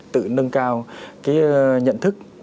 tự nâng cao cái nhận thức